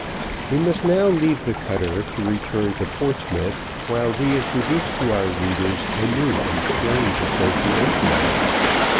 We must now leave the cutter to return to Portsmouth, while we introduce to our readers a new and strange association.